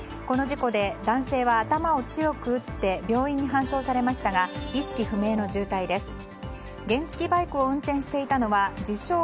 この事故で男性は頭を強く打って病院に搬送されましたが意識不明の重体です。